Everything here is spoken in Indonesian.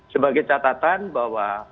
sebagai catatan bahwa